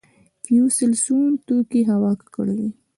فوسیل سون توکي هوا ککړوي